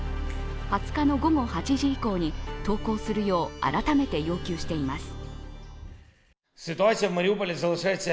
２０日の午後８時以降に、投降するよう、改めて要求しています。